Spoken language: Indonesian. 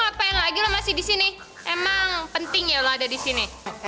ngapain lagi loh masih di sini emang penting ya lo ada di sini